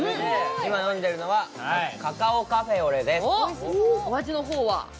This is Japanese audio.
今飲んでるのはカカオカフェオレです。